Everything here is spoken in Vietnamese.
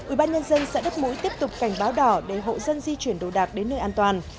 ủy ban nhân dân xã đất mũi tiếp tục cảnh báo đỏ để hộ dân di chuyển đồ đạc đến nơi an toàn